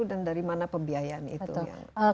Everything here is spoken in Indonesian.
berapa besar makanan berapa besar pembayaran